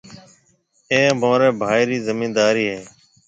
اَي مهاريَ ڀائِي رِي زميندارِي هيَ۔